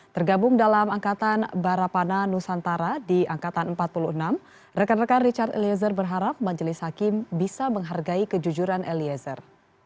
tergabung dalam angkatan barapana nusantara di angkatan empat puluh enam rekan rekan richard eliezer berharap majelis hakim bisa menghargai kejujuran eliezer